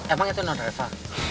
emang itu enggak ada reva